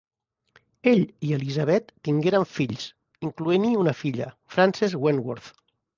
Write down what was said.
Ell i Elizabeth tingueren fills, incloent-hi una filla, Frances Wentworth.